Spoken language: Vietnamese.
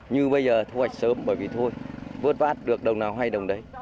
như bây giờ thu hoạch sớm bởi vì thôi vớt vát được đồng nào hay đồng đấy